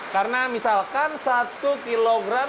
karena misalkan satu kg cacing tanah yang